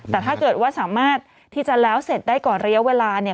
แต่ถ้าเกิดว่าสามารถที่จะแล้วเสร็จได้ก่อนระยะเวลาเนี่ย